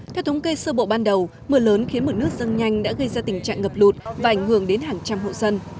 theo thống kê sơ bộ ban đầu mưa lớn khiến mực nước dâng nhanh đã gây ra tình trạng ngập lụt và ảnh hưởng đến hàng trăm hộ dân